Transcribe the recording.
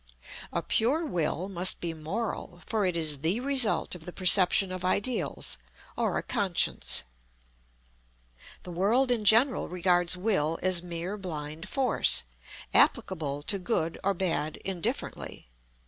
A pure Will must be moral, for it is the result of the perception of Ideals, or a Conscience. The world in general regards Will as mere blind force, applicable to good or bad indifferently.